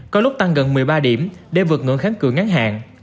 có lúc tăng gần một mươi ba điểm để vượt ngưỡng kháng cự ngắn hạn